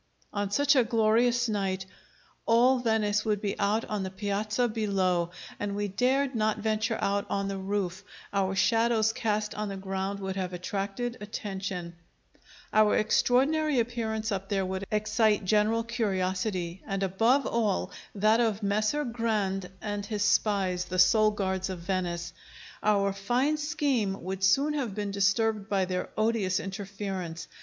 On such a glorious night all Venice would be out on the Piazza below, and we dared not venture out on the roof; our shadows cast on the ground would have attracted attention; our extraordinary appearance up there would excite general curiosity, and above all, that of Messer Grande and his spies, the sole guards of Venice. Our fine scheme would soon have been disturbed by their odious interference.